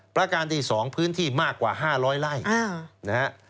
ประการที่๒พื้นที่มากกว่า๕๐๐ไร่นะฮะ